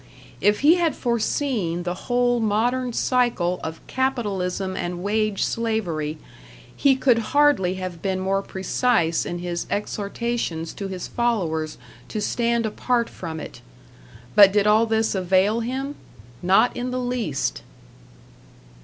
If he had forseen the whole modern cycle of capitalism and wage slavery, he could hardly have been more precise in his exortations to his followers to stand apart from it. But did all this avail him? Not in the least!